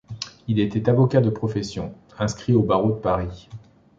Il était avocat de profession, inscrit au barreau de Paris.